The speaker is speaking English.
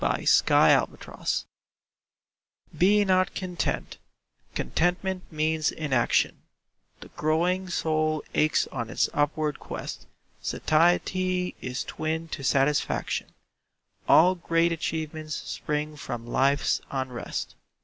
BE NOT CONTENT Be not content—contentment means inaction; The growing soul aches on its upward quest; Satiety is twin to satisfaction; All great achievements spring from life's unrest.